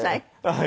はい。